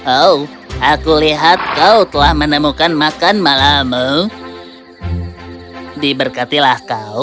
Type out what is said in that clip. oh aku lihat kau telah menemukan makan malammu diberkatilah kau